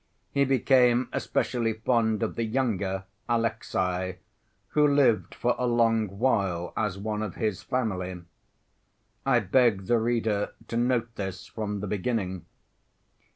He became especially fond of the younger, Alexey, who lived for a long while as one of his family. I beg the reader to note this from the beginning.